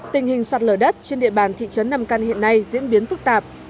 tình hình sạt lở đất trên địa bàn thị trấn nam căn hiện nay diễn biến phức tạp